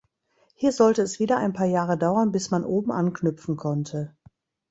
Hier sollte es wieder ein paar Jahre dauern bis man oben anknüpfen konnte.